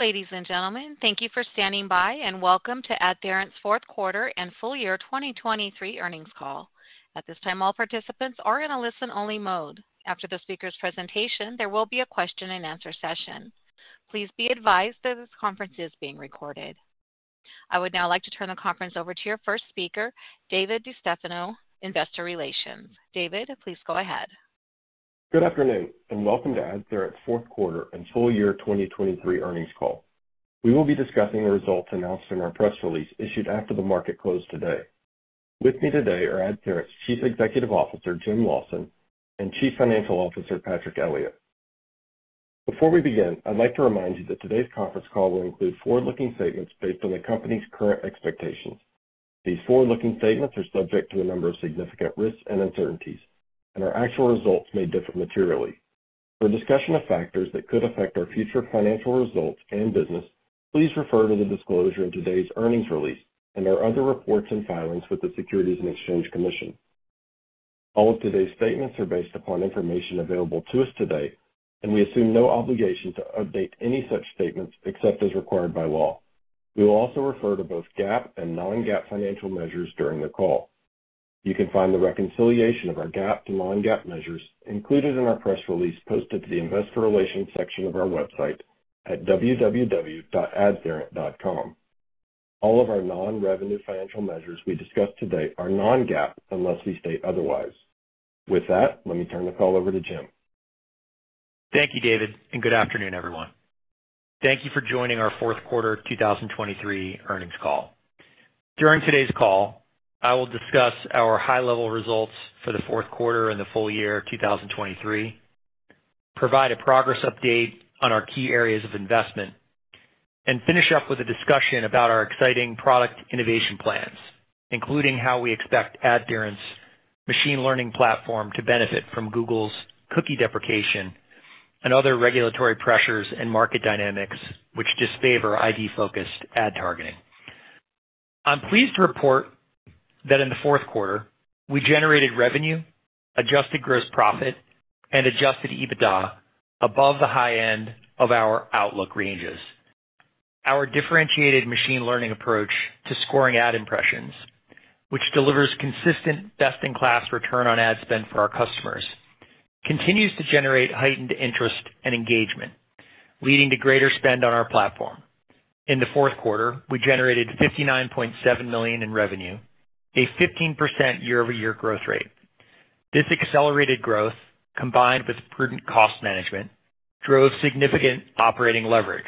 Ladies and gentlemen, thank you for standing by and welcome to AdTheorent's fourth quarter and full year 2023 earnings call. At this time, all participants are in a listen-only mode. After the speaker's presentation, there will be a question-and-answer session. Please be advised that this conference is being recorded. I would now like to turn the conference over to your first speaker, David DeStefano, Investor Relations. David, please go ahead. Good afternoon and welcome to AdTheorent's fourth quarter and full year 2023 earnings call. We will be discussing the results announced in our press release issued after the market closed today. With me today are AdTheorent's Chief Executive Officer Jim Lawson and Chief Financial Officer Patrick Elliott. Before we begin, I'd like to remind you that today's conference call will include forward-looking statements based on the company's current expectations. These forward-looking statements are subject to a number of significant risks and uncertainties, and our actual results may differ materially. For a discussion of factors that could affect our future financial results and business, please refer to the disclosure in today's earnings release and our other reports and filings with the Securities and Exchange Commission. All of today's statements are based upon information available to us today, and we assume no obligation to update any such statements except as required by law. We will also refer to both GAAP and non-GAAP financial measures during the call. You can find the reconciliation of our GAAP to non-GAAP measures included in our press release posted to the Investor Relations section of our website at www.adtheorent.com. All of our non-revenue financial measures we discussed today are non-GAAP unless we state otherwise. With that, let me turn the call over to Jim. Thank you, David, and good afternoon, everyone. Thank you for joining our fourth quarter 2023 earnings call. During today's call, I will discuss our high-level results for the fourth quarter and the full year 2023, provide a progress update on our key areas of investment, and finish up with a discussion about our exciting product innovation plans, including how we expect AdTheorent's machine learning platform to benefit from Google's cookie deprecation and other regulatory pressures and market dynamics which disfavor ID-focused ad targeting. I'm pleased to report that in the fourth quarter, we generated revenue, Adjusted Gross Profit, and Adjusted EBITDA above the high end of our outlook ranges. Our differentiated machine learning approach to scoring ad impressions, which delivers consistent best-in-class return on ad spend for our customers, continues to generate heightened interest and engagement, leading to greater spend on our platform. In the fourth quarter, we generated $59.7 million in revenue, a 15% year-over-year growth rate. This accelerated growth, combined with prudent cost management, drove significant operating leverage,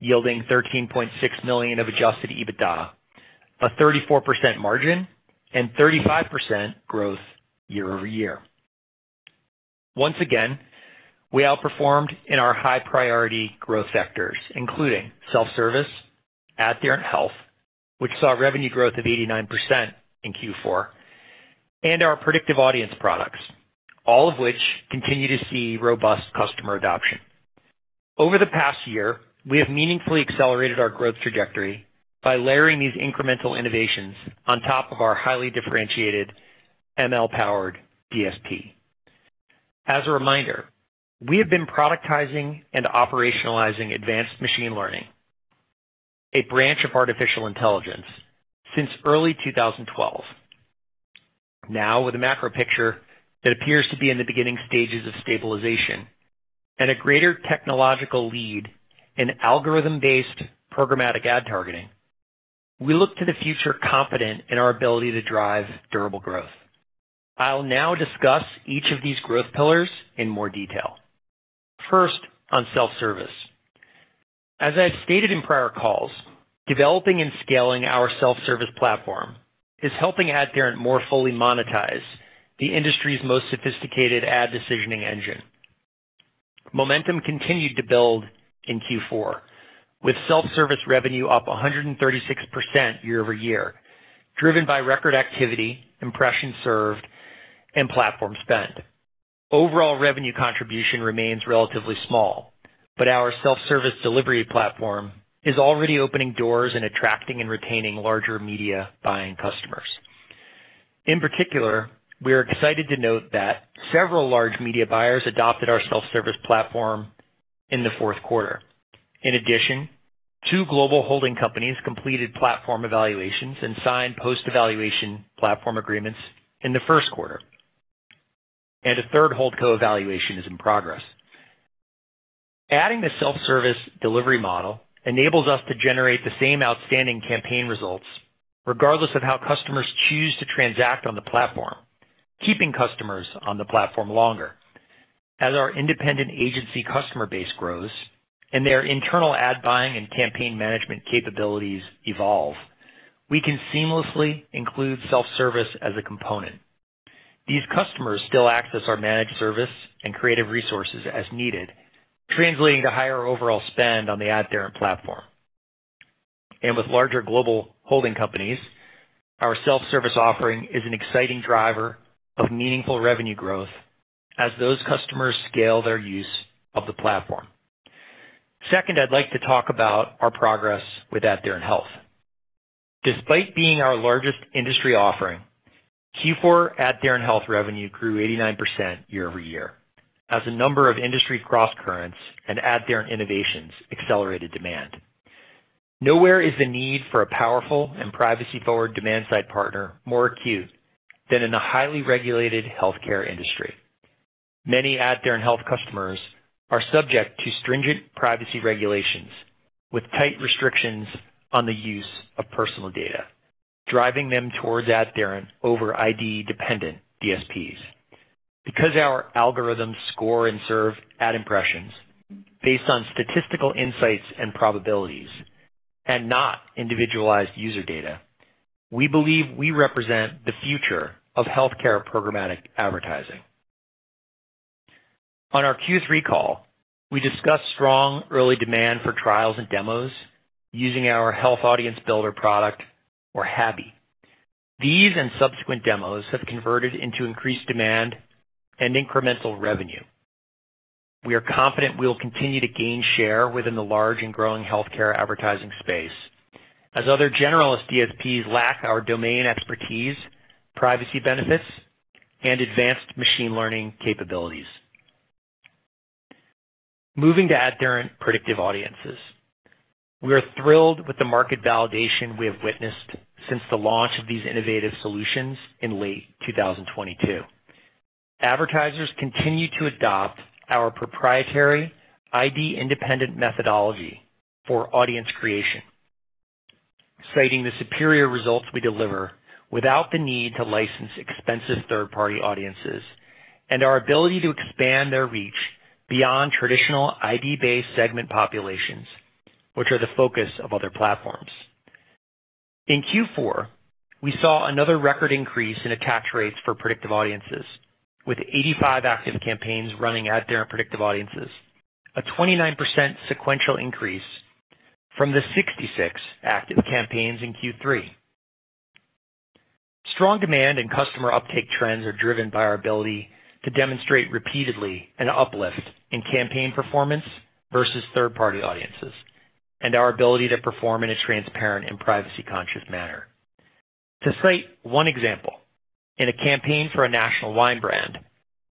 yielding $13.6 million of Adjusted EBITDA, a 34% margin, and 35% growth year-over-year. Once again, we outperformed in our high-priority growth sectors, including self-service, AdTheorent Health, which saw revenue growth of 89% in Q4, and our predictive audience products, all of which continue to see robust customer adoption. Over the past year, we have meaningfully accelerated our growth trajectory by layering these incremental innovations on top of our highly differentiated ML-powered DSP. As a reminder, we have been productizing and operationalizing advanced machine learning, a branch of artificial intelligence, since early 2012. Now, with a macro picture that appears to be in the beginning stages of stabilization and a greater technological lead in algorithm-based programmatic ad targeting, we look to the future confident in our ability to drive durable growth. I'll now discuss each of these growth pillars in more detail. First, on self-service. As I've stated in prior calls, developing and scaling our self-service platform is helping AdTheorent more fully monetize the industry's most sophisticated ad decisioning engine. Momentum continued to build in Q4, with self-service revenue up 136% year-over-year, driven by record activity, impressions served, and platform spend. Overall revenue contribution remains relatively small, but our self-service delivery platform is already opening doors and attracting and retaining larger media buying customers. In particular, we are excited to note that several large media buyers adopted our self-service platform in the fourth quarter. In addition, two global holding companies completed platform evaluations and signed post-evaluation platform agreements in the first quarter, and a third holding co-evaluation is in progress. Adding the self-service delivery model enables us to generate the same outstanding campaign results regardless of how customers choose to transact on the platform, keeping customers on the platform longer. As our independent agency customer base grows and their internal ad buying and campaign management capabilities evolve, we can seamlessly include self-service as a component. These customers still access our managed service and creative resources as needed, translating to higher overall spend on the AdTheorent platform. And with larger global holding companies, our self-service offering is an exciting driver of meaningful revenue growth as those customers scale their use of the platform. Second, I'd like to talk about our progress with AdTheorent Health. Despite being our largest industry offering, Q4 AdTheorent Health revenue grew 89% year-over-year as a number of industry cross-currents and AdTheorent innovations accelerated demand. Nowhere is the need for a powerful and privacy-forward demand-side partner more acute than in the highly regulated healthcare industry. Many AdTheorent Health customers are subject to stringent privacy regulations with tight restrictions on the use of personal data, driving them towards AdTheorent over ID-dependent DSPs. Because our algorithms score and serve ad impressions based on statistical insights and probabilities and not individualized user data, we believe we represent the future of healthcare programmatic advertising. On our Q3 call, we discussed strong early demand for trials and demos using our health audience builder product, or HABi. These and subsequent demos have converted into increased demand and incremental revenue. We are confident we will continue to gain share within the large and growing healthcare advertising space as other generalist DSPs lack our domain expertise, privacy benefits, and advanced machine learning capabilities. Moving to AdTheorent predictive audiences, we are thrilled with the market validation we have witnessed since the launch of these innovative solutions in late 2022. Advertisers continue to adopt our proprietary ID-independent methodology for audience creation, citing the superior results we deliver without the need to license expensive third-party audiences and our ability to expand their reach beyond traditional ID-based segment populations, which are the focus of other platforms. In Q4, we saw another record increase in attach rates for predictive audiences, with 85 active campaigns running AdTheorent predictive audiences, a 29% sequential increase from the 66 active campaigns in Q3. Strong demand and customer uptake trends are driven by our ability to demonstrate repeatedly an uplift in campaign performance versus third-party audiences and our ability to perform in a transparent and privacy-conscious manner. To cite one example, in a campaign for a national wine brand,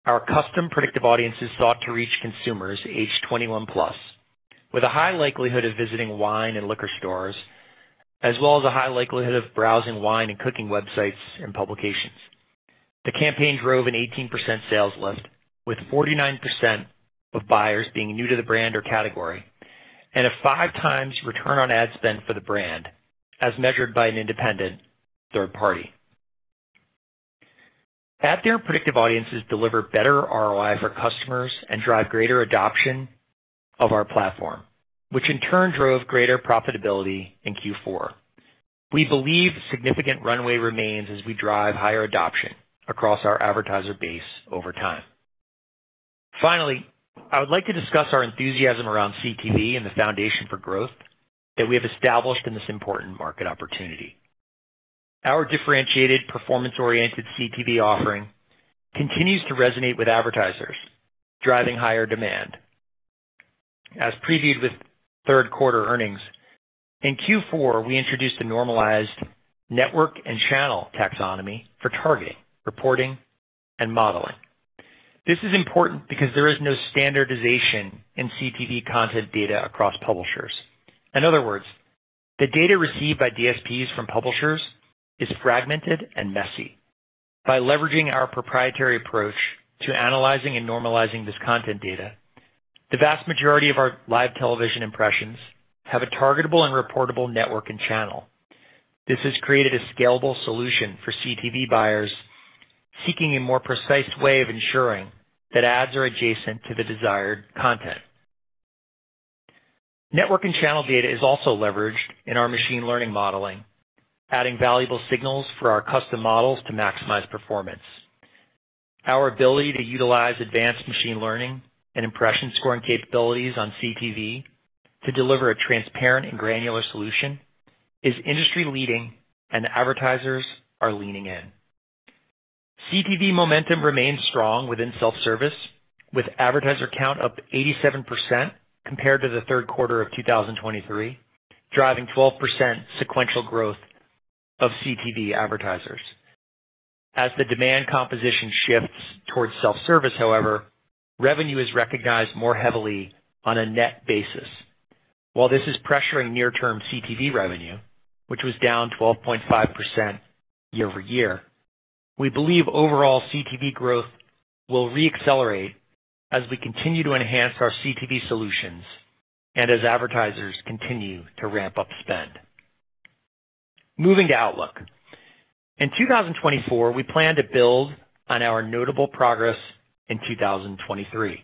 our custom predictive audiences sought to reach consumers aged 21+ with a high likelihood of visiting wine and liquor stores, as well as a high likelihood of browsing wine and cooking websites and publications. The campaign drove an 18% sales lift, with 49% of buyers being new to the brand or category and a 5x return on ad spend for the brand as measured by an independent third party. AdTheorent predictive audiences deliver better ROI for customers and drive greater adoption of our platform, which in turn drove greater profitability in Q4. We believe significant runway remains as we drive higher adoption across our advertiser base over time. Finally, I would like to discuss our enthusiasm around CTV and the foundation for growth that we have established in this important market opportunity. Our differentiated performance-oriented CTV offering continues to resonate with advertisers, driving higher demand. As previewed with third quarter earnings, in Q4, we introduced a normalized network and channel taxonomy for targeting, reporting, and modeling. This is important because there is no standardization in CTV content data across publishers. In other words, the data received by DSPs from publishers is fragmented and messy. By leveraging our proprietary approach to analyzing and normalizing this content data, the vast majority of our live television impressions have a targetable and reportable network and channel. This has created a scalable solution for CTV buyers seeking a more precise way of ensuring that ads are adjacent to the desired content. Network and channel data is also leveraged in our machine learning modeling, adding valuable signals for our custom models to maximize performance. Our ability to utilize advanced machine learning and impression scoring capabilities on CTV to deliver a transparent and granular solution is industry-leading, and advertisers are leaning in. CTV momentum remains strong within self-service, with advertiser count up 87% compared to the third quarter of 2023, driving 12% sequential growth of CTV advertisers. As the demand composition shifts towards self-service, however, revenue is recognized more heavily on a net basis. While this is pressuring near-term CTV revenue, which was down 12.5% year-over-year, we believe overall CTV growth will reaccelerate as we continue to enhance our CTV solutions and as advertisers continue to ramp up spend. Moving to outlook. In 2024, we plan to build on our notable progress in 2023.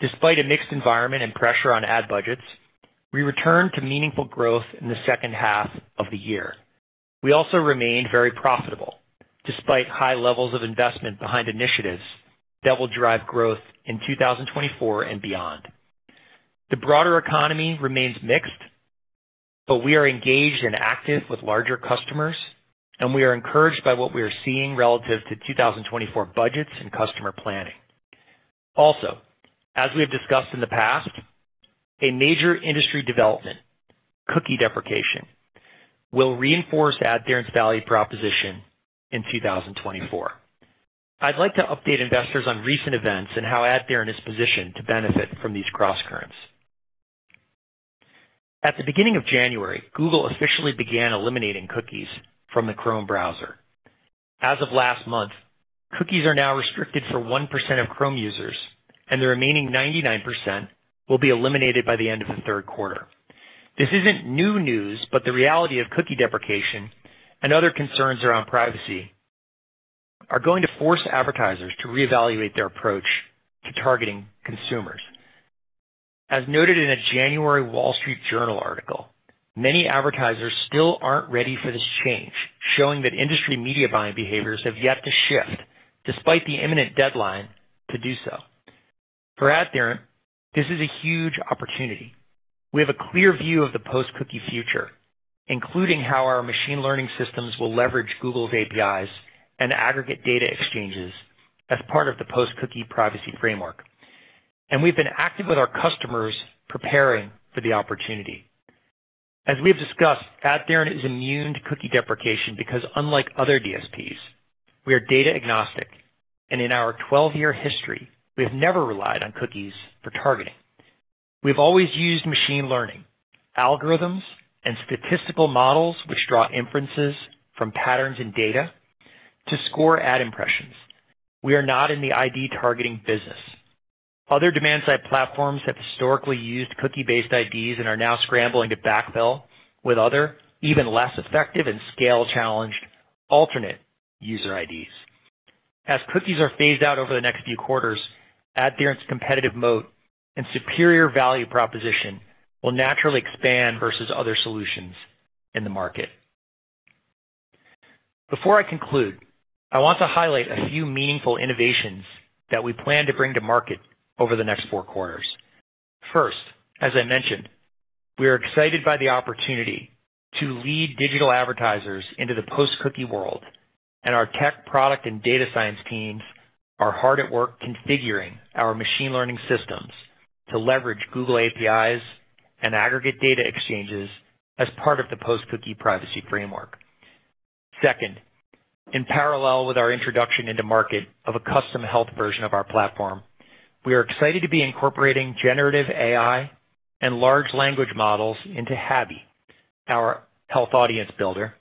Despite a mixed environment and pressure on ad budgets, we returned to meaningful growth in the second half of the year. We also remained very profitable despite high levels of investment behind initiatives that will drive growth in 2024 and beyond. The broader economy remains mixed, but we are engaged and active with larger customers, and we are encouraged by what we are seeing relative to 2024 budgets and customer planning. Also, as we have discussed in the past, a major industry development, cookie deprecation, will reinforce AdTheorent's value proposition in 2024. I'd like to update investors on recent events and how AdTheorent is positioned to benefit from these cross-currents. At the beginning of January, Google officially began eliminating cookies from the Chrome browser. As of last month, cookies are now restricted for 1% of Chrome users, and the remaining 99% will be eliminated by the end of the third quarter. This isn't new news, but the reality of cookie deprecation and other concerns around privacy are going to force advertisers to reevaluate their approach to targeting consumers. As noted in a January Wall Street Journal article, many advertisers still aren't ready for this change, showing that industry media buying behaviors have yet to shift despite the imminent deadline to do so. For AdTheorent, this is a huge opportunity. We have a clear view of the post-cookie future, including how our machine learning systems will leverage Google's APIs and aggregate data exchanges as part of the post-cookie privacy framework, and we've been active with our customers preparing for the opportunity. As we have discussed, AdTheorent is immune to cookie deprecation because, unlike other DSPs, we are data-agnostic, and in our 12-year history, we have never relied on cookies for targeting. We've always used machine learning, algorithms, and statistical models, which draw inferences from patterns in data, to score ad impressions. We are not in the ID targeting business. Other demand-side platforms have historically used cookie-based IDs and are now scrambling to backfill with other, even less effective and scale-challenged alternate user IDs. As cookies are phased out over the next few quarters, AdTheorent's competitive moat and superior value proposition will naturally expand versus other solutions in the market. Before I conclude, I want to highlight a few meaningful innovations that we plan to bring to market over the next four quarters. First, as I mentioned, we are excited by the opportunity to lead digital advertisers into the post-cookie world, and our tech product and data science teams are hard at work configuring our machine learning systems to leverage Google APIs and aggregate data exchanges as part of the post-cookie privacy framework. Second, in parallel with our introduction into market of a custom health version of our platform, we are excited to be incorporating generative AI and large language models into HABi, our health audience builder,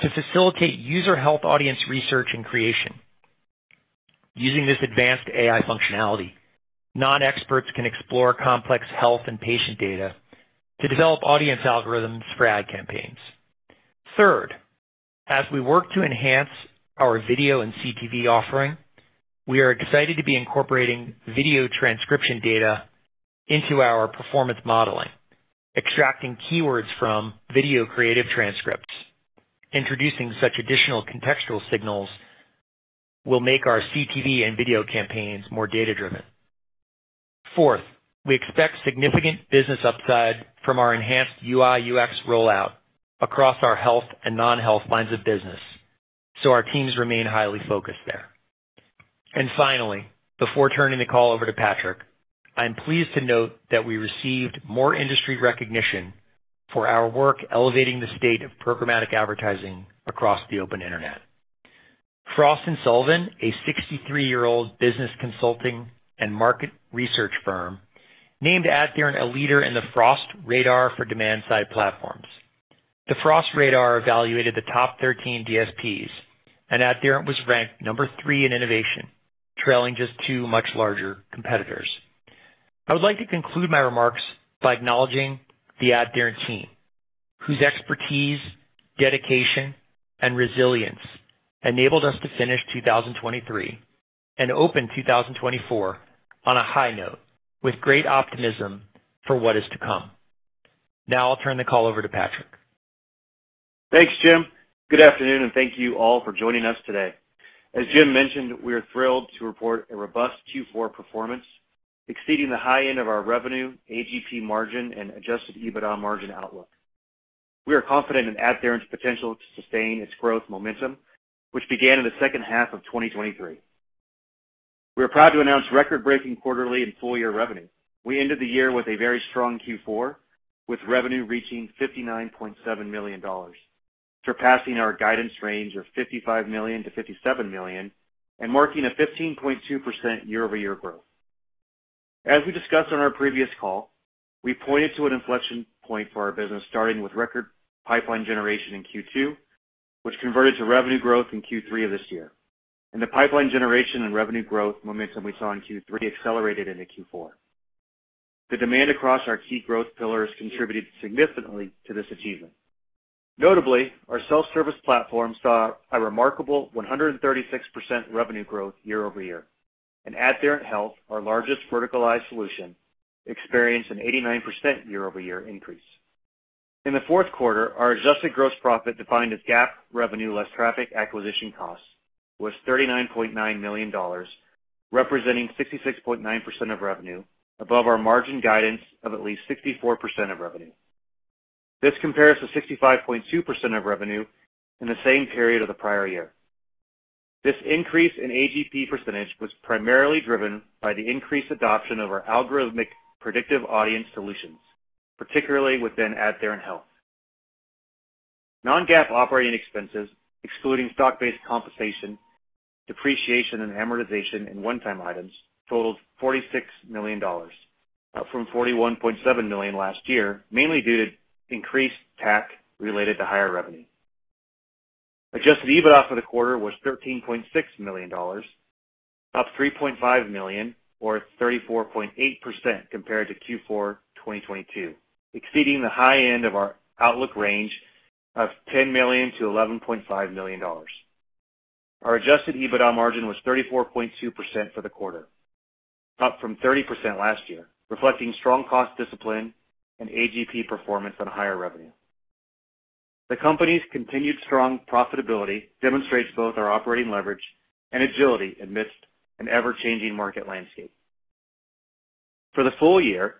to facilitate user health audience research and creation. Using this advanced AI functionality, non-experts can explore complex health and patient data to develop audience algorithms for ad campaigns. Third, as we work to enhance our video and CTV offering, we are excited to be incorporating video transcription data into our performance modeling, extracting keywords from video creative transcripts. Introducing such additional contextual signals will make our CTV and video campaigns more data-driven. Fourth, we expect significant business upside from our enhanced UI/UX rollout across our health and non-health lines of business, so our teams remain highly focused there. And finally, before turning the call over to Patrick, I'm pleased to note that we received more industry recognition for our work elevating the state of programmatic advertising across the open internet. Frost & Sullivan, a 63-year-old business consulting and market research firm, named AdTheorent a leader in the Frost Radar for demand-side platforms. The Frost Radar evaluated the top 13 DSPs, and AdTheorent was ranked number three in innovation, trailing just two much larger competitors. I would like to conclude my remarks by acknowledging the AdTheorent team, whose expertise, dedication, and resilience enabled us to finish 2023 and open 2024 on a high note with great optimism for what is to come. Now I'll turn the call over to Patrick. Thanks, Jim. Good afternoon, and thank you all for joining us today. As Jim mentioned, we are thrilled to report a robust Q4 performance exceeding the high end of our revenue, AGP margin, and Adjusted EBITDA margin outlook. We are confident in AdTheorent's potential to sustain its growth momentum, which began in the second half of 2023. We are proud to announce record-breaking quarterly and full-year revenue. We ended the year with a very strong Q4, with revenue reaching $59.7 million, surpassing our guidance range of $55 million-$57 million and marking a 15.2% year-over-year growth. As we discussed on our previous call, we pointed to an inflection point for our business starting with record pipeline generation in Q2, which converted to revenue growth in Q3 of this year. The pipeline generation and revenue growth momentum we saw in Q3 accelerated into Q4. The demand across our key growth pillars contributed significantly to this achievement. Notably, our self-service platform saw a remarkable 136% revenue growth year-over-year, and AdTheorent Health, our largest verticalized solution, experienced an 89% year-over-year increase. In the fourth quarter, our Adjusted Gross Profit, defined as GAAP revenue less traffic acquisition costs, was $39.9 million, representing 66.9% of revenue above our margin guidance of at least 64% of revenue. This compares to 65.2% of revenue in the same period of the prior year. This increase in AGP percentage was primarily driven by the increased adoption of our algorithmic predictive audience solutions, particularly within AdTheorent Health. Non-GAAP operating expenses, excluding stock-based compensation, depreciation, and amortization and one-time items, totaled $46 million, up from $41.7 million last year, mainly due to increased tax related to higher revenue. Adjusted EBITDA for the quarter was $13.6 million, up $3.5 million or 34.8% compared to Q4 2022, exceeding the high end of our outlook range of $10 million-$11.5 million. Our Adjusted EBITDA margin was 34.2% for the quarter, up from 30% last year, reflecting strong cost discipline and AGP performance on higher revenue. The company's continued strong profitability demonstrates both our operating leverage and agility amidst an ever-changing market landscape. For the full year,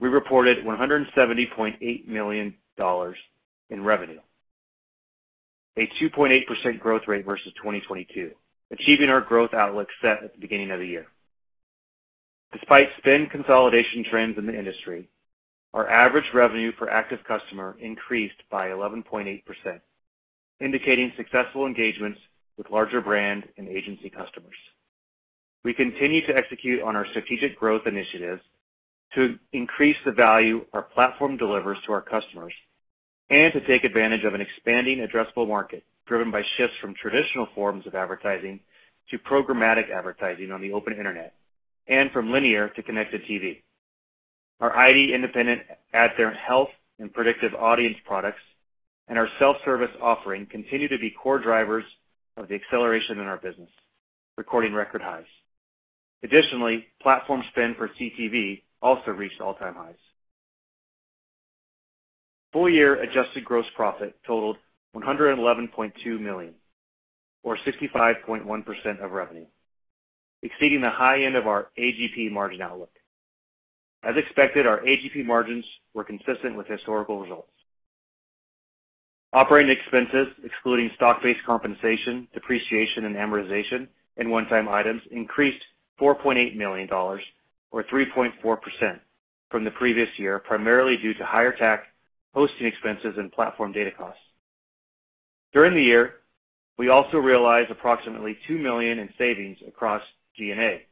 we reported $170.8 million in revenue, a 2.8% growth rate versus 2022, achieving our growth outlook set at the beginning of the year. Despite spend consolidation trends in the industry, our average revenue per active customer increased by 11.8%, indicating successful engagements with larger brand and agency customers. We continue to execute on our strategic growth initiatives to increase the value our platform delivers to our customers and to take advantage of an expanding addressable market driven by shifts from traditional forms of advertising to programmatic advertising on the open internet and from linear to connected TV. Our ID-independent AdTheorent Health and predictive audience products and our self-service offering continue to be core drivers of the acceleration in our business, recording record highs. Additionally, platform spend for CTV also reached all-time highs. Full-year Adjusted Gross Profit totaled $111.2 million or 65.1% of revenue, exceeding the high end of our AGP margin outlook. As expected, our AGP margins were consistent with historical results. Operating expenses, excluding stock-based compensation, depreciation, and amortization, and one-time items, increased $4.8 million or 3.4% from the previous year, primarily due to higher TAC hosting expenses and platform data costs. During the year, we also realized approximately $2 million in savings across G&A,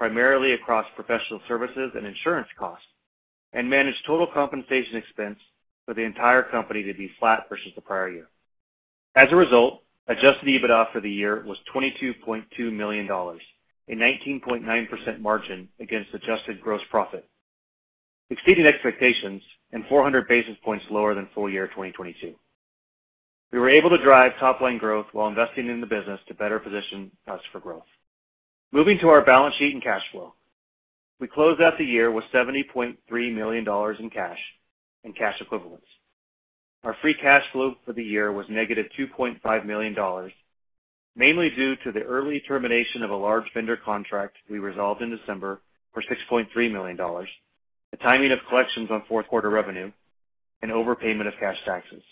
primarily across professional services and insurance costs, and managed total compensation expense for the entire company to be flat versus the prior year. As a result, Adjusted EBITDA for the year was $22.2 million, a 19.9% margin against Adjusted Gross Profit, exceeding expectations and 400 basis points lower than full-year 2022. We were able to drive top-line growth while investing in the business to better position us for growth. Moving to our balance sheet and cash flow, we closed out the year with $70.3 million in cash and cash equivalents. Our free cash flow for the year was negative $2.5 million, mainly due to the early termination of a large vendor contract we resolved in December for $6.3 million, the timing of collections on fourth-quarter revenue, and overpayment of cash taxes.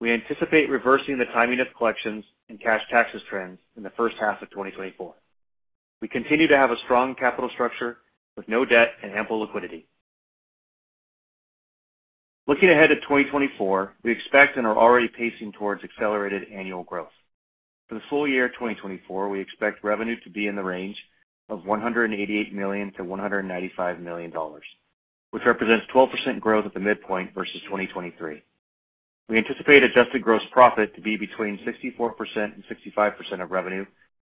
We anticipate reversing the timing of collections and cash taxes trends in the first half of 2024. We continue to have a strong capital structure with no debt and ample liquidity. Looking ahead to 2024, we expect and are already pacing towards accelerated annual growth. For the full year 2024, we expect revenue to be in the range of $188 million-$195 million, which represents 12% growth at the midpoint versus 2023. We anticipate Adjusted Gross Profit to be between 64%-65% of revenue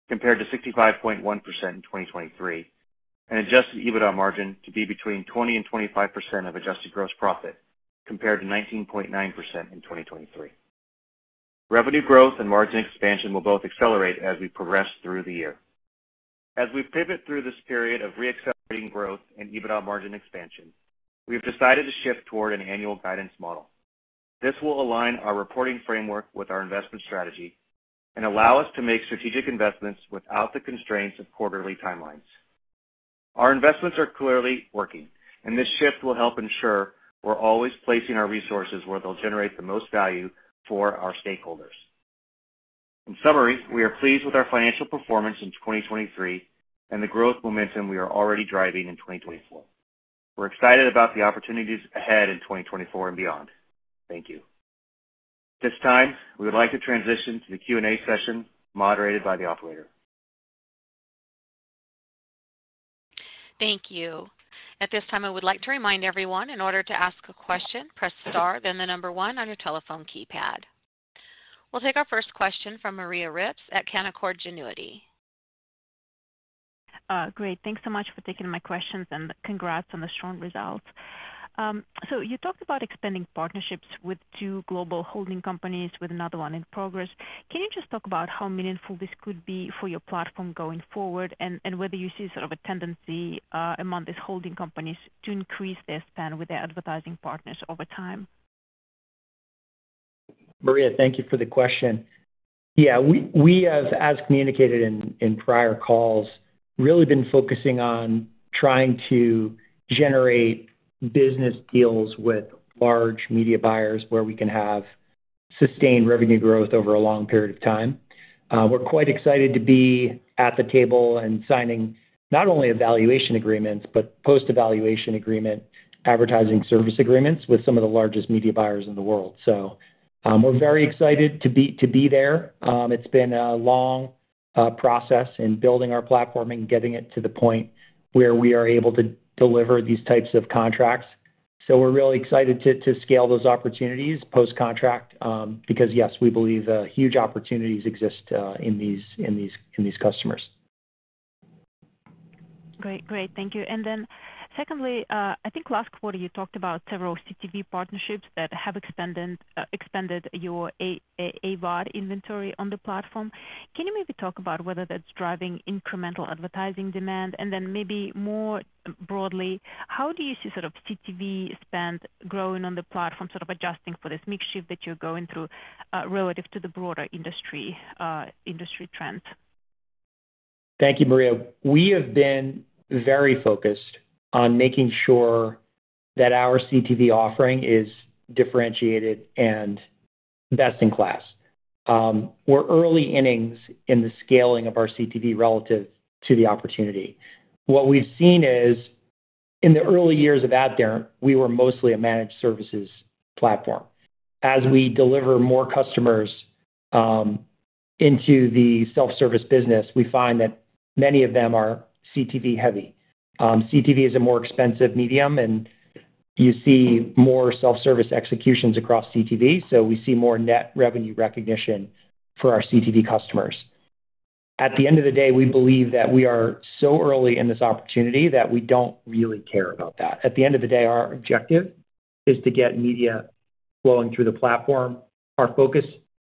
compared to 65.1% in 2023, and Adjusted EBITDA margin to be between 20%-25% of Adjusted Gross Profit compared to 19.9% in 2023. Revenue growth and margin expansion will both accelerate as we progress through the year. As we pivot through this period of re-accelerating growth and EBITDA margin expansion, we have decided to shift toward an annual guidance model. This will align our reporting framework with our investment strategy and allow us to make strategic investments without the constraints of quarterly timelines. Our investments are clearly working, and this shift will help ensure we're always placing our resources where they'll generate the most value for our stakeholders. In summary, we are pleased with our financial performance in 2023 and the growth momentum we are already driving in 2024. We're excited about the opportunities ahead in 2024 and beyond. Thank you. At this time, we would like to transition to the Q&A session moderated by the operator. Thank you. At this time, I would like to remind everyone, in order to ask a question, press star, then the number one on your telephone keypad. We'll take our first question from Maria Ripps at Canaccord Genuity. Great. Thanks so much for taking my questions and congrats on the strong results. So you talked about expanding partnerships with two global holding companies, with another one in progress. Can you just talk about how meaningful this could be for your platform going forward and whether you see sort of a tendency among these holding companies to increase their span with their advertising partners over time? Maria, thank you for the question. Yeah, we, as communicated in prior calls, really been focusing on trying to generate business deals with large media buyers where we can have sustained revenue growth over a long period of time. We're quite excited to be at the table and signing not only evaluation agreements but post-evaluation agreement advertising service agreements with some of the largest media buyers in the world. So we're very excited to be there. It's been a long process in building our platform and getting it to the point where we are able to deliver these types of contracts. So we're really excited to scale those opportunities post-contract because, yes, we believe huge opportunities exist in these customers. Great. Great. Thank you. And then secondly, I think last quarter you talked about several CTV partnerships that have expanded your AVOD inventory on the platform. Can you maybe talk about whether that's driving incremental advertising demand? And then maybe more broadly, how do you see sort of CTV spend growing on the platform, sort of adjusting for this mixed shift that you're going through relative to the broader industry trends? Thank you, Maria. We have been very focused on making sure that our CTV offering is differentiated and best-in-class. We're early innings in the scaling of our CTV relative to the opportunity. What we've seen is, in the early years of AdTheorent, we were mostly a managed services platform. As we deliver more customers into the self-service business, we find that many of them are CTV-heavy. CTV is a more expensive medium, and you see more self-service executions across CTV, so we see more net revenue recognition for our CTV customers. At the end of the day, we believe that we are so early in this opportunity that we don't really care about that. At the end of the day, our objective is to get media flowing through the platform. Our focus,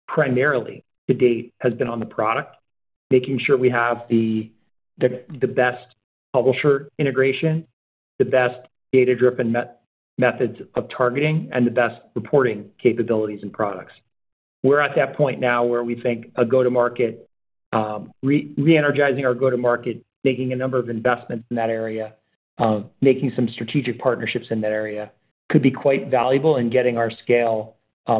primarily to date, has been on the product, making sure we have the best publisher integration, the best data-driven methods of targeting, and the best reporting capabilities and products. We're at that point now where we think a go-to-market, re-energizing our go-to-market, making a number of investments in that area, making some strategic partnerships in that area could be quite valuable in getting our scale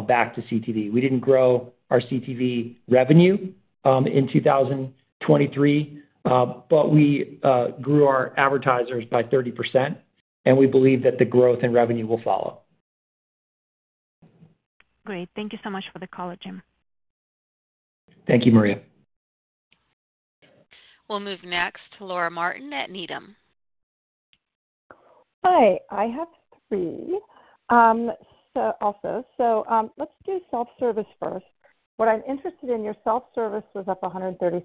back to CTV. We didn't grow our CTV revenue in 2023, but we grew our advertisers by 30%, and we believe that the growth and revenue will follow. Great. Thank you so much for the call, Jim. Thank you, Maria. We'll move next to Laura Martin at Needham. Hi. I have three also. So let's do self-service first. What I'm interested in, your self-service was up 136%,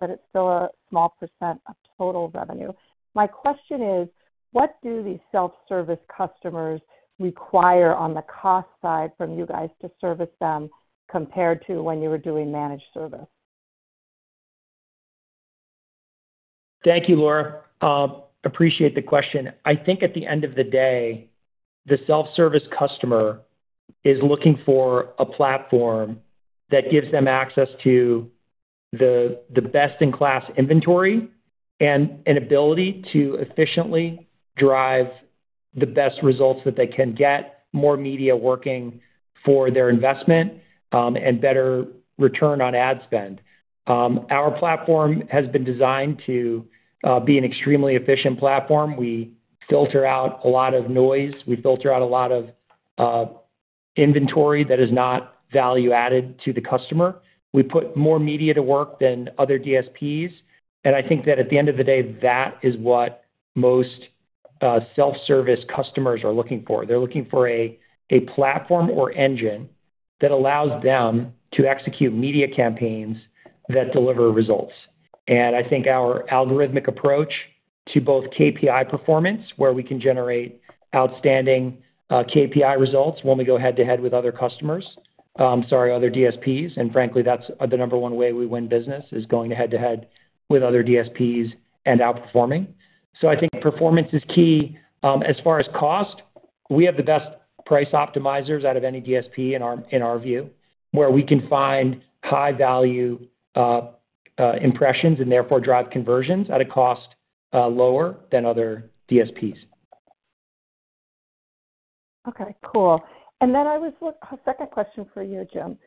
but it's still a small % of total revenue. My question is, what do these self-service customers require on the cost side from you guys to service them compared to when you were doing managed service? Thank you, Laura. Appreciate the question. I think at the end of the day, the self-service customer is looking for a platform that gives them access to the best-in-class inventory and an ability to efficiently drive the best results that they can get, more media working for their investment, and better return on ad spend. Our platform has been designed to be an extremely efficient platform. We filter out a lot of noise. We filter out a lot of inventory that is not value-added to the customer. We put more media to work than other DSPs. And I think that at the end of the day, that is what most self-service customers are looking for. They're looking for a platform or engine that allows them to execute media campaigns that deliver results. I think our algorithmic approach to both KPI performance, where we can generate outstanding KPI results when we go head-to-head with other customers sorry, other DSPs. And frankly, that's the number one way we win business, is going head-to-head with other DSPs and outperforming. I think performance is key. As far as cost, we have the best price optimizers out of any DSP, in our view, where we can find high-value impressions and therefore drive conversions at a cost lower than other DSPs. Okay. Cool. And then I have a second question for you, Jim,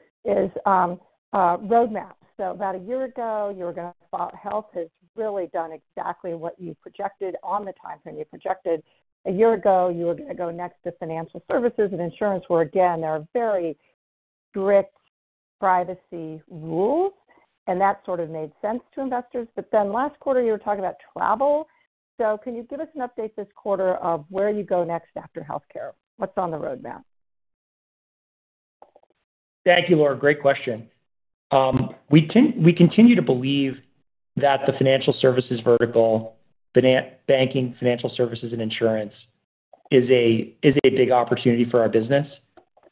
on roadmaps. So about a year ago, you were going to spotlight health, which has really done exactly what you projected on the timeframe you projected. A year ago, you were going to go next to financial services and insurance where, again, there are very strict privacy rules, and that sort of made sense to investors. But then last quarter, you were talking about travel. So can you give us an update this quarter of where you go next after healthcare? What's on the roadmap? Thank you, Laura. Great question. We continue to believe that the financial services vertical, banking, financial services, and insurance is a big opportunity for our business.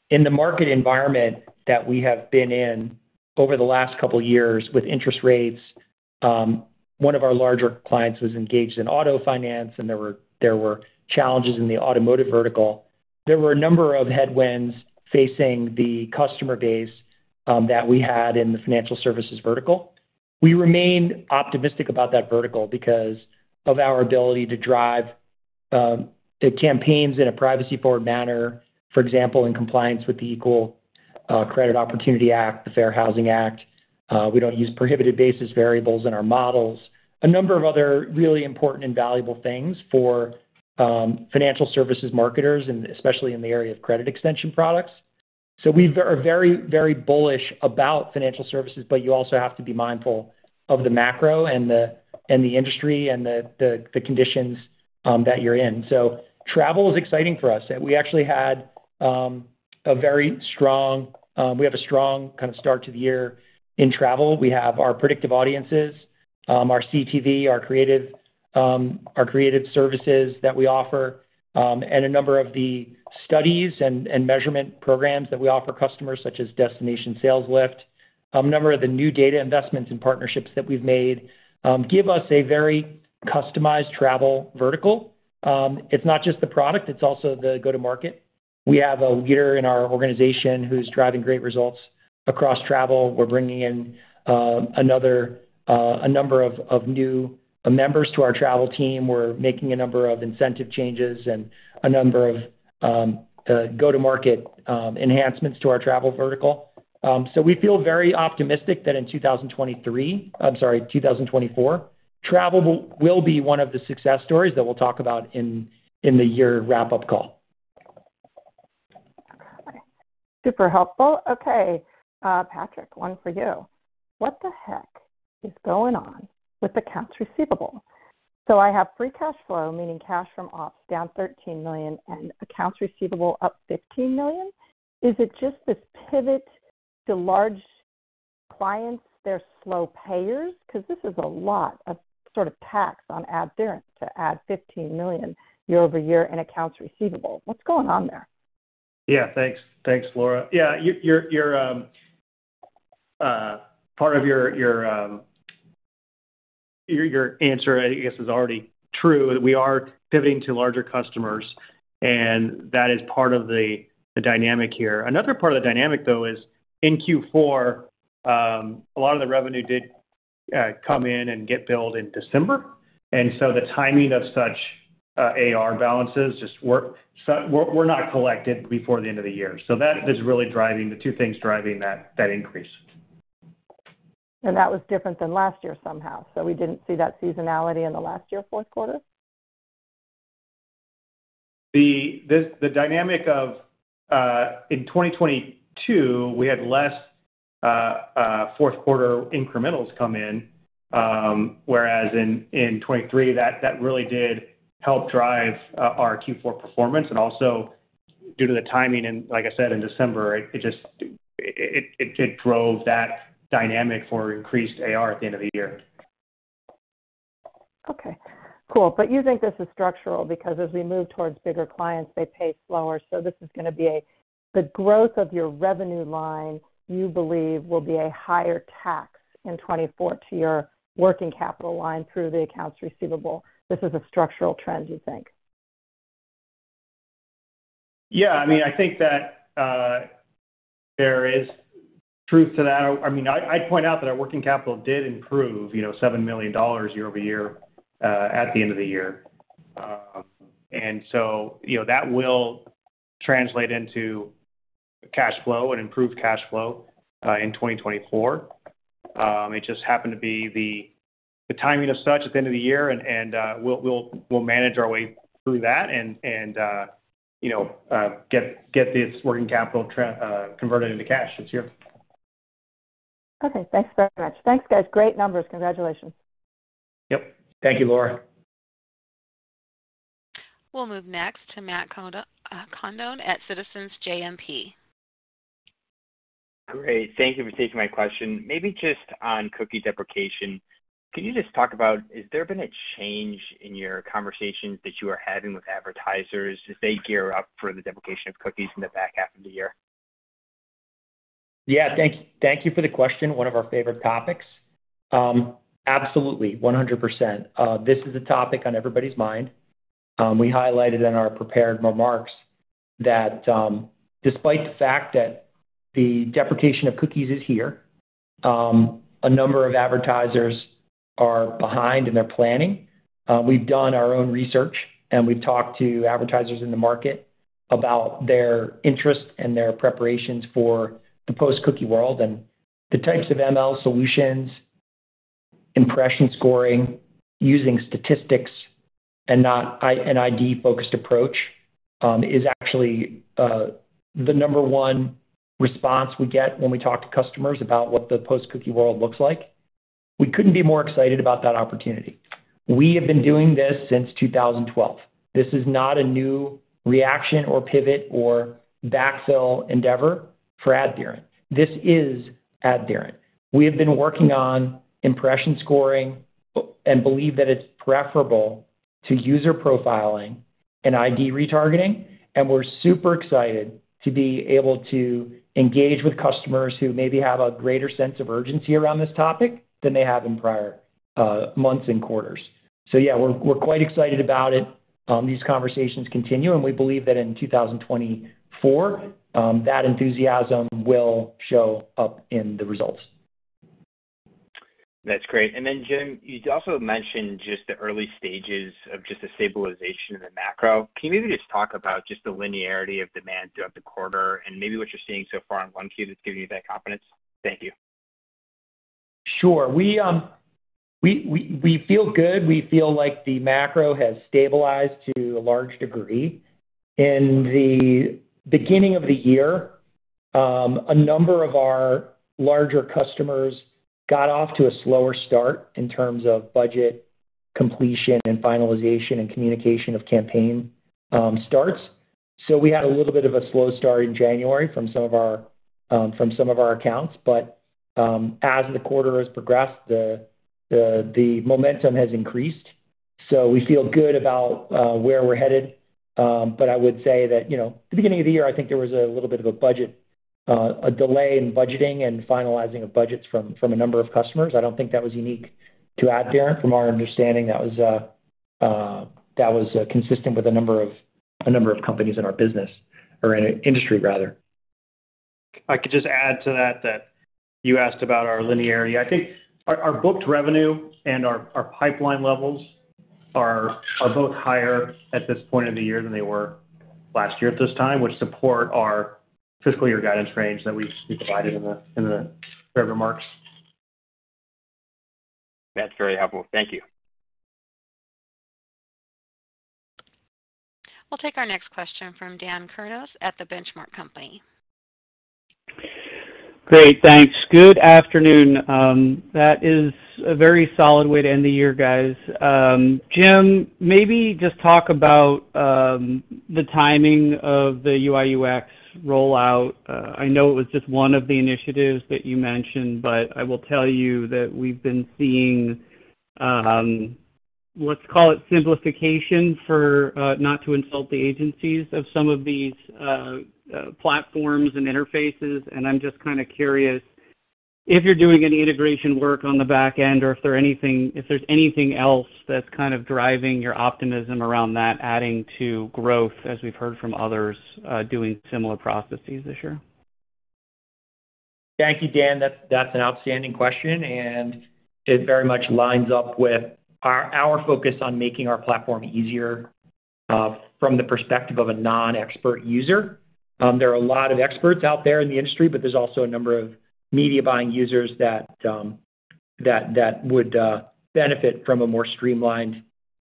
In the market environment that we have been in over the last couple of years with interest rates, one of our larger clients was engaged in auto finance, and there were challenges in the automotive vertical. There were a number of headwinds facing the customer base that we had in the financial services vertical. We remain optimistic about that vertical because of our ability to drive campaigns in a privacy-forward manner, for example, in compliance with the Equal Credit Opportunity Act, the Fair Housing Act. We don't use prohibited basis variables in our models, a number of other really important and valuable things for financial services marketers, especially in the area of credit extension products. So we are very, very bullish about financial services, but you also have to be mindful of the macro and the industry and the conditions that you're in. So travel is exciting for us. We actually have a strong kind of start to the year in travel. We have our predictive audiences, our CTV, our creative services that we offer, and a number of the studies and measurement programs that we offer customers, such as Destination Sales Lift. A number of the new data investments and partnerships that we've made give us a very customized travel vertical. It's not just the product. It's also the go-to-market. We have a leader in our organization who's driving great results across travel. We're bringing in a number of new members to our travel team. We're making a number of incentive changes and a number of go-to-market enhancements to our travel vertical. So we feel very optimistic that in 2023, I'm sorry, 2024, travel will be one of the success stories that we'll talk about in the year wrap-up call. Okay. Super helpful. Okay. Patrick, one for you. What the heck is going on with accounts receivable? So I have free cash flow, meaning cash from ops down $13 million and accounts receivable up $15 million. Is it just this pivot to large clients? They're slow payers because this is a lot of sort of tax on AdTheorent to add $15 million year-over-year in accounts receivable. What's going on there? Yeah. Thanks. Thanks, Laura. Yeah. Part of your answer, I guess, is already true. We are pivoting to larger customers, and that is part of the dynamic here. Another part of the dynamic, though, is in Q4, a lot of the revenue did come in and get billed in December. And so the timing of such AR balances just weren't collected before the end of the year. So that is really driving the two things driving that increase. That was different than last year somehow. We didn't see that seasonality in the last year fourth quarter? The dynamic in 2022, we had less fourth-quarter incrementals come in, whereas in 2023, that really did help drive our Q4 performance. Also due to the timing, and like I said, in December, it just drove that dynamic for increased AR at the end of the year. Okay. Cool. But you think this is structural because as we move towards bigger clients, they pay slower. So this is going to be that the growth of your revenue line, you believe, will be a higher tax in 2024 to your working capital line through the accounts receivable. This is a structural trend, you think? Yeah. I mean, I think that there is truth to that. I mean, I'd point out that our working capital did improve $7 million year-over-year at the end of the year. And so that will translate into cash flow and improved cash flow in 2024. It just happened to be the timing of such at the end of the year, and we'll manage our way through that and get this working capital converted into cash this year. Okay. Thanks very much. Thanks, guys. Great numbers. Congratulations. Yep. Thank you, Laura. We'll move next to Matt Condon at Citizens JMP. Great. Thank you for taking my question. Maybe just on cookie deprecation, can you just talk about, has there been a change in your conversations that you are having with advertisers as they gear up for the deprecation of cookies in the back half of the year? Yeah. Thank you for the question. One of our favorite topics. Absolutely. 100%. This is a topic on everybody's mind. We highlighted in our prepared remarks that despite the fact that the deprecation of cookies is here, a number of advertisers are behind in their planning. We've done our own research, and we've talked to advertisers in the market about their interest and their preparations for the post-cookie world. The types of ML solutions, impression scoring, using statistics, and an ID-focused approach is actually the number one response we get when we talk to customers about what the post-cookie world looks like. We couldn't be more excited about that opportunity. We have been doing this since 2012. This is not a new reaction or pivot or backfill endeavor for AdTheorent. This is AdTheorent. We have been working on impression scoring and believe that it's preferable to user profiling and ID retargeting. And we're super excited to be able to engage with customers who maybe have a greater sense of urgency around this topic than they have in prior months and quarters. So yeah, we're quite excited about it. These conversations continue, and we believe that in 2024, that enthusiasm will show up in the results. That's great. And then, Jim, you also mentioned just the early stages of just a stabilization in the macro. Can you maybe just talk about just the linearity of demand throughout the quarter and maybe what you're seeing so far on 1Q that's giving you that confidence? Thank you. Sure. We feel good. We feel like the macro has stabilized to a large degree. In the beginning of the year, a number of our larger customers got off to a slower start in terms of budget completion and finalization and communication of campaign starts. So we had a little bit of a slow start in January from some of our accounts. But as the quarter has progressed, the momentum has increased. So we feel good about where we're headed. But I would say that at the beginning of the year, I think there was a little bit of a delay in budgeting and finalizing of budgets from a number of customers. I don't think that was unique to AdTheorent. From our understanding, that was consistent with a number of companies in our business or industry, rather. I could just add to that that you asked about our linearity. I think our booked revenue and our pipeline levels are both higher at this point of the year than they were last year at this time, which support our fiscal year guidance range that we provided in the prepared remarks. That's very helpful. Thank you. We'll take our next question from Dan Kurnos at The Benchmark Company. Great. Thanks. Good afternoon. That is a very solid way to end the year, guys. Jim, maybe just talk about the timing of the UI/UX rollout. I know it was just one of the initiatives that you mentioned, but I will tell you that we've been seeing, let's call it, simplification for not to insult the agencies of some of these platforms and interfaces. I'm just kind of curious if you're doing any integration work on the back end or if there's anything else that's kind of driving your optimism around that, adding to growth as we've heard from others doing similar processes this year. Thank you, Dan. That's an outstanding question, and it very much lines up with our focus on making our platform easier from the perspective of a non-expert user. There are a lot of experts out there in the industry, but there's also a number of media-buying users that would benefit from a more streamlined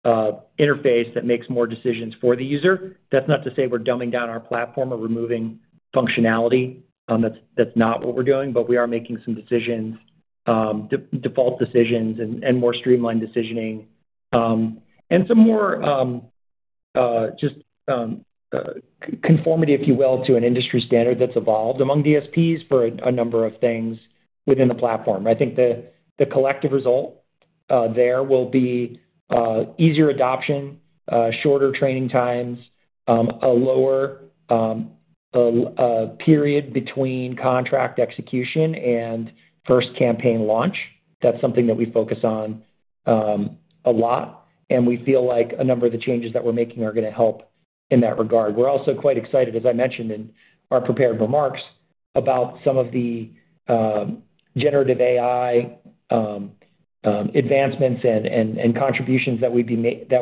interface that makes more decisions for the user. That's not to say we're dumbing down our platform or removing functionality. That's not what we're doing, but we are making some default decisions and more streamlined decisioning and some more just conformity, if you will, to an industry standard that's evolved among DSPs for a number of things within the platform. I think the collective result there will be easier adoption, shorter training times, a lower period between contract execution and first campaign launch. That's something that we focus on a lot, and we feel like a number of the changes that we're making are going to help in that regard. We're also quite excited, as I mentioned in our prepared remarks, about some of the generative AI advancements and contributions that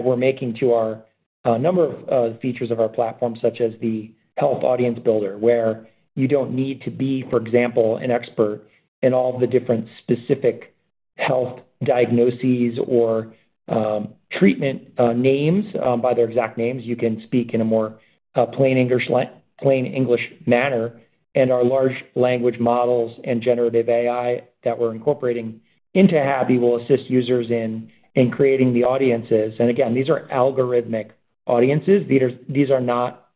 we're making to our number of features of our platform, such as the health audience builder, where you don't need to be, for example, an expert in all of the different specific health diagnoses or treatment names by their exact names. You can speak in a more plain English manner. And our large language models and generative AI that we're incorporating into HABi will assist users in creating the audiences. And again, these are algorithmic audiences. These are not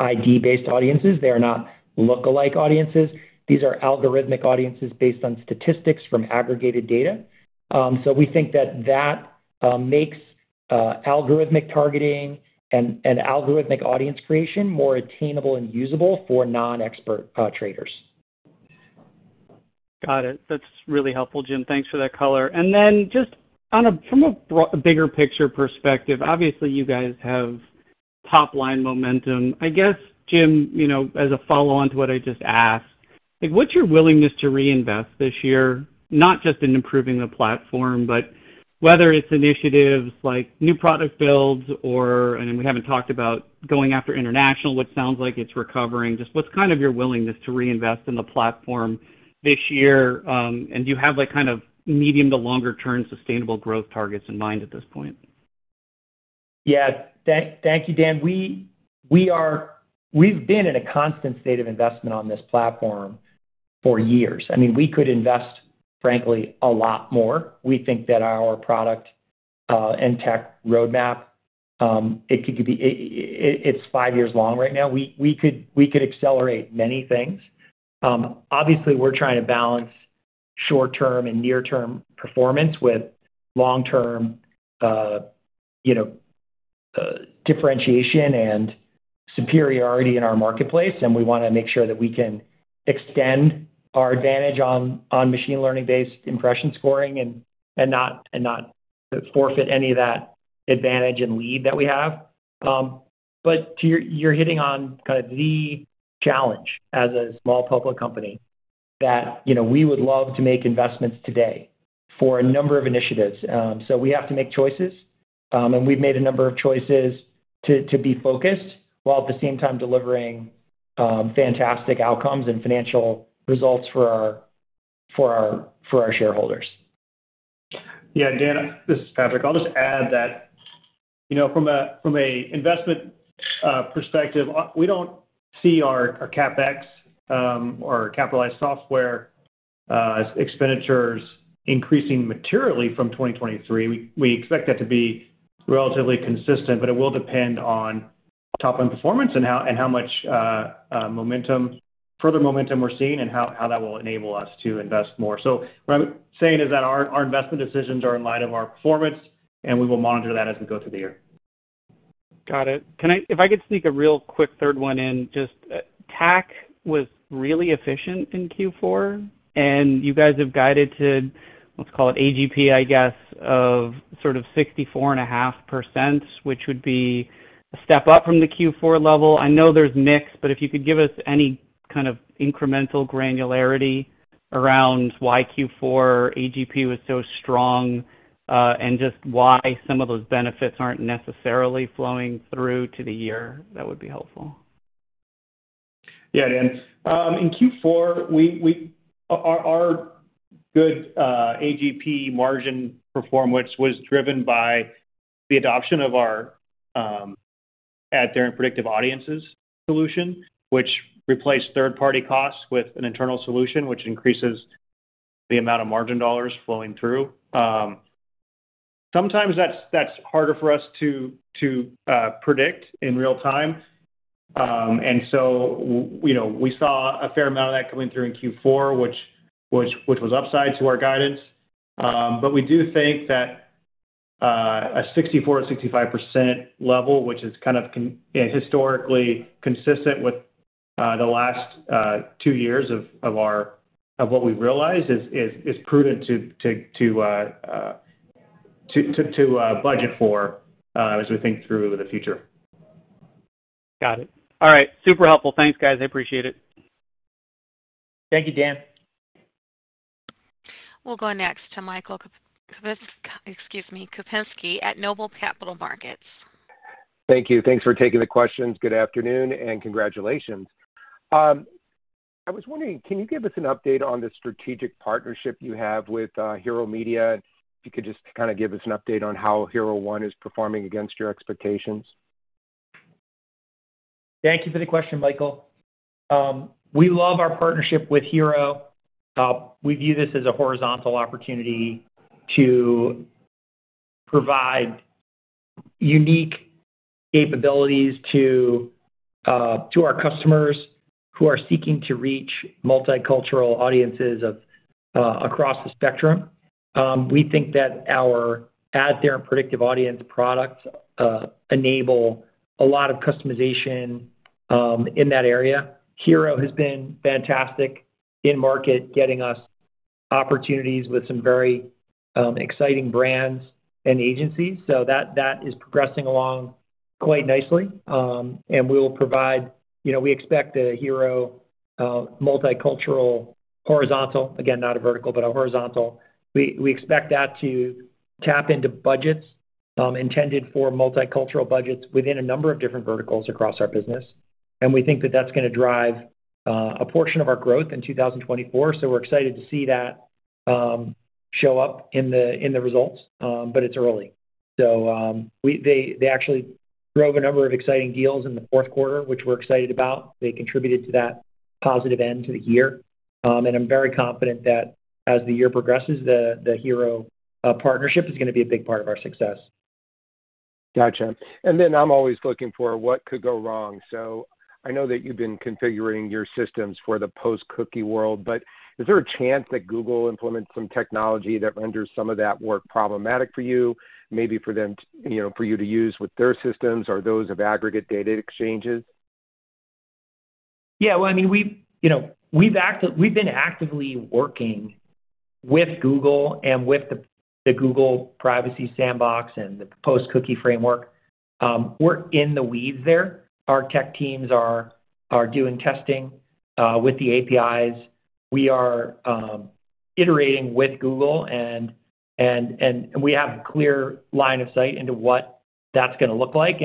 ID-based audiences. They are not lookalike audiences. These are algorithmic audiences based on statistics from aggregated data. We think that that makes algorithmic targeting and algorithmic audience creation more attainable and usable for non-expert traders. Got it. That's really helpful, Jim. Thanks for that color. And then just from a bigger picture perspective, obviously, you guys have top-line momentum. I guess, Jim, as a follow-on to what I just asked, what's your willingness to reinvest this year, not just in improving the platform, but whether it's initiatives like new product builds or we haven't talked about going after international, which sounds like it's recovering. Just what's kind of your willingness to reinvest in the platform this year? And do you have kind of medium- to longer-term sustainable growth targets in mind at this point? Yeah. Thank you, Dan. We've been in a constant state of investment on this platform for years. I mean, we could invest, frankly, a lot more. We think that our product and tech roadmap, it could be it's five years long right now. We could accelerate many things. Obviously, we're trying to balance short-term and near-term performance with long-term differentiation and superiority in our marketplace. And we want to make sure that we can extend our advantage on machine-learning-based impression scoring and not forfeit any of that advantage and lead that we have. But you're hitting on kind of the challenge as a small public company that we would love to make investments today for a number of initiatives. So we have to make choices, and we've made a number of choices to be focused while at the same time delivering fantastic outcomes and financial results for our shareholders. Yeah. Dan, this is Patrick. I'll just add that from an investment perspective, we don't see our CapEx or capitalized software expenditures increasing materially from 2023. We expect that to be relatively consistent, but it will depend on top-line performance and how much further momentum we're seeing and how that will enable us to invest more. What I'm saying is that our investment decisions are in light of our performance, and we will monitor that as we go through the year. Got it. If I could sneak a real quick third one in, just TAC was really efficient in Q4, and you guys have guided to, let's call it AGP, I guess, of sort of 64.5%, which would be a step up from the Q4 level. I know there's mix, but if you could give us any kind of incremental granularity around why Q4 AGP was so strong and just why some of those benefits aren't necessarily flowing through to the year, that would be helpful. Yeah, Dan. In Q4, our good AGP margin performance was driven by the adoption of our AdTheorent Predictive Audiences solution, which replaced third-party costs with an internal solution, which increases the amount of margin dollars flowing through. Sometimes that's harder for us to predict in real time. And so we saw a fair amount of that coming through in Q4, which was upside to our guidance. But we do think that a 64%-65% level, which is kind of historically consistent with the last two years of what we've realized, is prudent to budget for as we think through the future. Got it. All right. Super helpful. Thanks, guys. I appreciate it. Thank you, Dan. We'll go next to Michael, excuse me, Kupinski, at Noble Capital Markets. Thank you. Thanks for taking the questions. Good afternoon and congratulations. I was wondering, can you give us an update on the strategic partnership you have with Hero Media? If you could just kind of give us an update on how Hero One is performing against your expectations. Thank you for the question, Michael. We love our partnership with Hero. We view this as a horizontal opportunity to provide unique capabilities to our customers who are seeking to reach multicultural audiences across the spectrum. We think that our AdTheorent Predictive Audience products enable a lot of customization in that area. Hero has been fantastic in market, getting us opportunities with some very exciting brands and agencies. So that is progressing along quite nicely. And we will provide, we expect a Hero multicultural horizontal again, not a vertical, but a horizontal. We expect that to tap into budgets intended for multicultural budgets within a number of different verticals across our business. And we think that that's going to drive a portion of our growth in 2024. So we're excited to see that show up in the results, but it's early. So they actually drove a number of exciting deals in the fourth quarter, which we're excited about. They contributed to that positive end to the year. And I'm very confident that as the year progresses, the Hero partnership is going to be a big part of our success. Gotcha. And then I'm always looking for what could go wrong. So I know that you've been configuring your systems for the post-cookie world, but is there a chance that Google implements some technology that renders some of that work problematic for you, maybe for you to use with their systems or those of aggregate data exchanges? Yeah. Well, I mean, we've been actively working with Google and with the Google Privacy Sandbox and the post-cookie framework. We're in the weeds there. Our tech teams are doing testing with the APIs. We are iterating with Google, and we have a clear line of sight into what that's going to look like.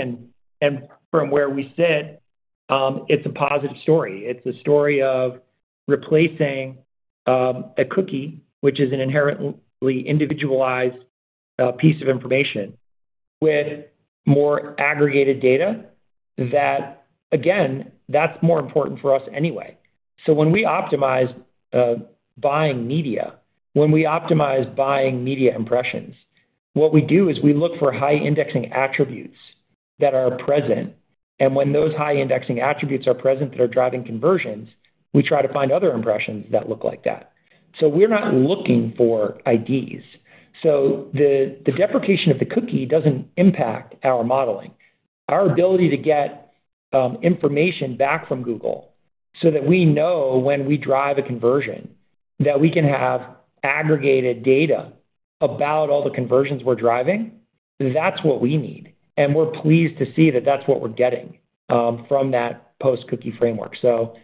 And from where we sit, it's a positive story. It's a story of replacing a cookie, which is an inherently individualized piece of information, with more aggregated data that, again, that's more important for us anyway. So when we optimize buying media, when we optimize buying media impressions, what we do is we look for high-indexing attributes that are present. And when those high-indexing attributes are present that are driving conversions, we try to find other impressions that look like that. So we're not looking for IDs. So the deprecation of the cookie doesn't impact our modeling. Our ability to get information back from Google so that we know when we drive a conversion that we can have aggregated data about all the conversions we're driving, that's what we need. And we're pleased to see that that's what we're getting from that post-cookie framework. So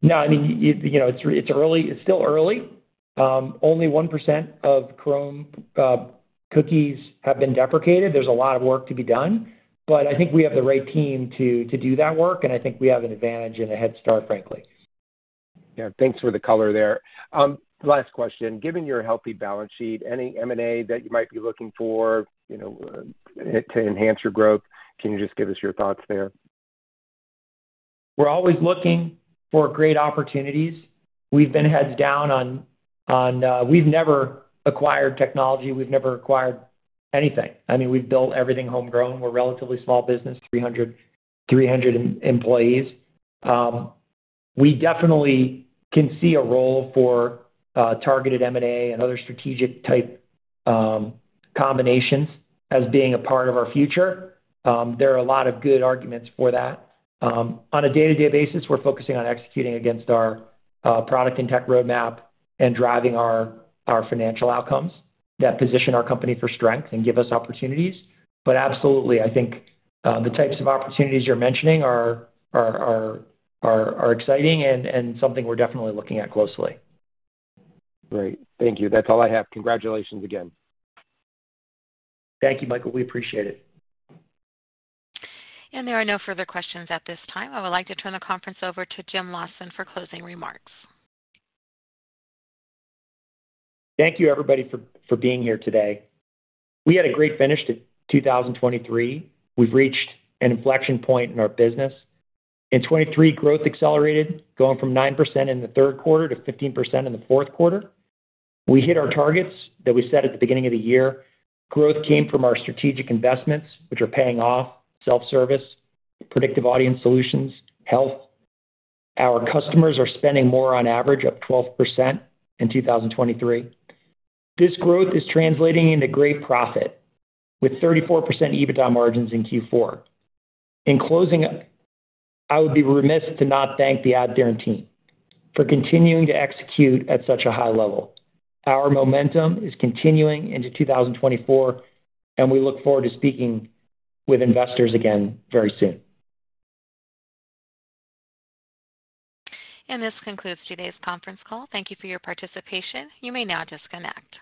no, I mean, it's still early. Only 1% of Chrome cookies have been deprecated. There's a lot of work to be done, but I think we have the right team to do that work, and I think we have an advantage and a head start, frankly. Yeah. Thanks for the color there. Last question. Given your healthy balance sheet, any M&A that you might be looking for to enhance your growth? Can you just give us your thoughts there? We're always looking for great opportunities. We've been heads down on. We've never acquired technology. We've never acquired anything. I mean, we've built everything homegrown. We're a relatively small business, 300 employees. We definitely can see a role for targeted M&A and other strategic-type combinations as being a part of our future. There are a lot of good arguments for that. On a day-to-day basis, we're focusing on executing against our product and tech roadmap and driving our financial outcomes that position our company for strength and give us opportunities. But absolutely, I think the types of opportunities you're mentioning are exciting and something we're definitely looking at closely. Great. Thank you. That's all I have. Congratulations again. Thank you, Michael. We appreciate it. There are no further questions at this time. I would like to turn the conference over to Jim Lawson for closing remarks. Thank you, everybody, for being here today. We had a great finish to 2023. We've reached an inflection point in our business. In 2023, growth accelerated, going from 9% in the third quarter to 15% in the fourth quarter. We hit our targets that we set at the beginning of the year. Growth came from our strategic investments, which are paying off: self-service, predictive audience solutions, health. Our customers are spending more on average, up 12% in 2023. This growth is translating into great profit with 34% EBITDA margins in Q4. In closing, I would be remiss to not thank the AdTheorent team for continuing to execute at such a high level. Our momentum is continuing into 2024, and we look forward to speaking with investors again very soon. This concludes today's conference call. Thank you for your participation. You may now disconnect.